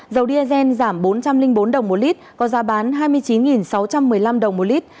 dầu diesel giảm bốn trăm linh bốn đồng một lít có giá bán hai mươi chín sáu trăm một mươi năm đồng một lít